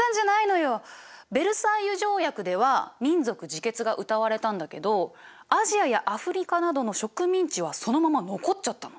ヴェルサイユ条約では民族自決がうたわれたんだけどアジアやアフリカなどの植民地はそのまま残っちゃったの。